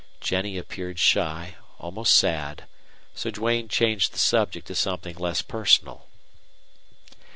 Jennie appeared shy, almost sad, so Duane changed the subject to something less personal.